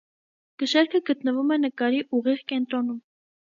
Կշեռքը գտնվում է նկարի ուղիղ կենտրոնում։